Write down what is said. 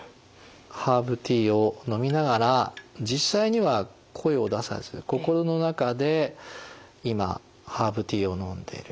ハーブティーを飲みながら実際には声を出さず心の中で「今ハーブティーを飲んでる。